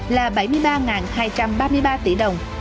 là bảy mươi ba hai trăm ba mươi ba tỷ đồng